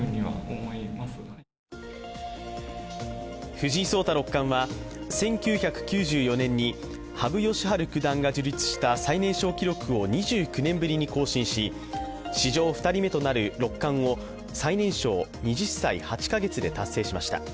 藤井聡太六冠は１９９４年に羽生善治九段が樹立した最年少記録を２９年ぶりに更新し史上２人目となる六冠を最年少２０歳８か月で達成しました。